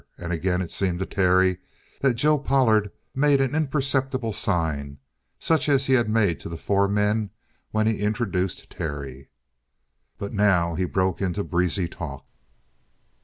And again it seemed to Terry that Joe Pollard made an imperceptible sign, such as he had made to the four men when he introduced Terry. But now he broke into breezy talk.